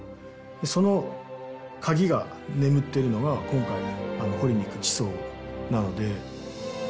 その鍵が眠っているのが今回掘りに行く地層なので。